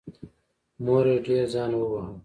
مور یې ډېر ځان وواهه.